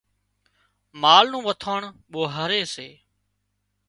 مال نُون وٿاڻ ٻوهاري سي